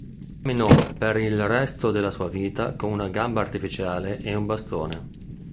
Camminò per il resto della sua vita con una gamba artificiale e un bastone.